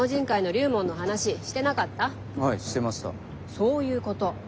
そういうこと。